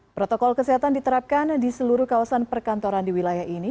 protokol kesehatan diterapkan di seluruh kawasan perkantoran di wilayah ini